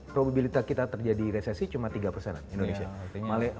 probabilitas kita terjadi resesi cuma tiga persenan indonesia